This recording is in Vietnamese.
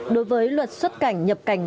đối với luật xuất cảnh nhập cảnh